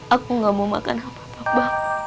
aku gak mau makan apa apa